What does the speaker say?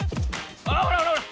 あほらほらほら。